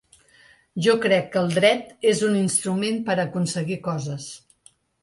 Jo crec que el dret és un instrument per a aconseguir coses.